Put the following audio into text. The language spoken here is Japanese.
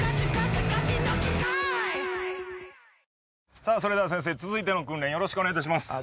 さぁ先生続いての訓練よろしくお願いいたします。